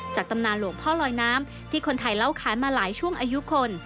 ตำนานหลวงพ่อลอยน้ำที่คนไทยเล่าขายมาหลายช่วงอายุคน